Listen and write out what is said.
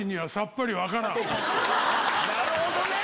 なるほどね！